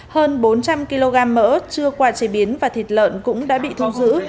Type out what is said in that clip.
hơn bốn trăm linh kg mỡ chưa qua chế biến và thịt lợn cũng đã bị thu giữ